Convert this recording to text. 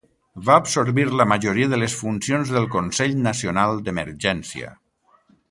Va absorbir la majoria de les funcions del Consell Nacional d'Emergència.